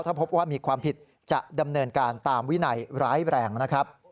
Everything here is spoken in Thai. ถ้าพบว่ามีความผิดจะดำเนินการตามวินัยร้ายแรงนะครับ